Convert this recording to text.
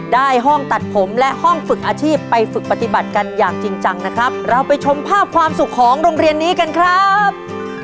ได้ห้องตัดผมและห้องฝึกอาชีพไปฝึกปฏิบัติกันอย่างจริงจังนะครับ